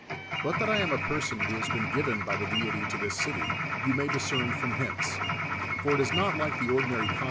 But that I am a person who has been given by the deity to this city, you may discern fi'om hence : for it is not like the ordinary con.